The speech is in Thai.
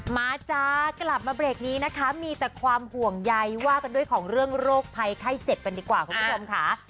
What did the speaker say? มาจ้ากลับมาเบรกนี้นะคะมีแต่ความห่วงใยว่ากันด้วยของเรื่องโรคภัยไข้เจ็บกันดีกว่าคุณผู้ชมค่ะ